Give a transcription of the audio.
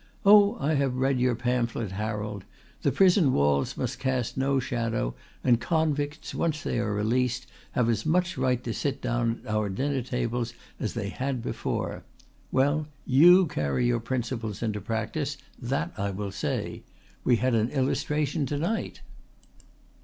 "Oh, I have read your pamphlet, Harold. The prison walls must cast no shadow and convicts, once they are released, have as much right to sit down at our dinner tables as they had before. Well, you carry your principles into practice, that I will say. We had an illustration to night."